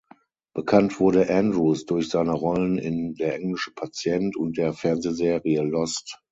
Bekannt wurde Andrews durch seine Rollen in "Der englische Patient" und der Fernsehserie "Lost".